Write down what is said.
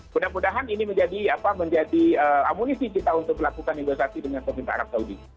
mudah mudahan ini menjadi amunisi kita untuk melakukan negosiasi dengan pemerintah arab saudi